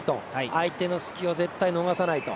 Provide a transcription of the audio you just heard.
相手の隙を絶対逃さないと。